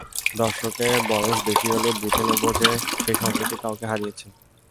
দর্শকের বয়স বেশি হলে, বুঝে নেবে যে সে সম্প্রতি কাউকে হারিয়েছে।